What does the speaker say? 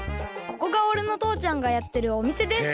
ここがおれのとうちゃんがやってるおみせです！